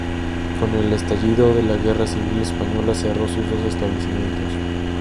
Con el estallido de la Guerra Civil española cerró sus dos establecimientos.